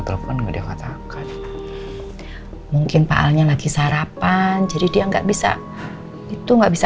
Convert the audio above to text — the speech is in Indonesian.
telepon nggak dia katakan mungkin pak alnya lagi sarapan jadi dia enggak bisa itu nggak bisa